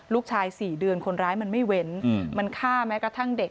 ๔เดือนคนร้ายมันไม่เว้นมันฆ่าแม้กระทั่งเด็ก